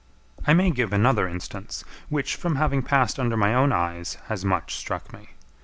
I may give another instance, which, from having passed under my own eyes has much struck me.